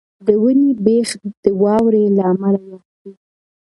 د ونې بېخ د واورې له امله یخ دی.